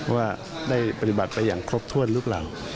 ว่าได้ปศิษฐ์ไปอย่างครบท่วนหรือเปล่า